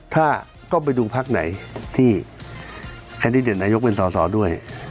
ต้องไปดูเพราะไหนที่เด็ดนายกเป็นสอด้วย